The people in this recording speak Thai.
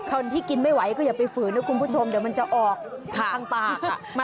คนที่กินไม่ไหวก็อย่าไปฝืนนะคุณผู้ชมเดี๋ยวมันจะออกทางปาก